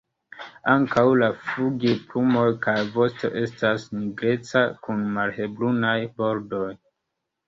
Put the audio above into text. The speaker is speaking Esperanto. Ankaŭ la flugilplumoj kaj vosto estas nigreca kun malhelbrunaj bordoj.